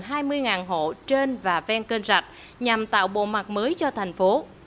hồ chí minh đã trắng gần hai mươi hộ trên và ven kênh rạch nhằm tạo bộ mặt mới cho thành phố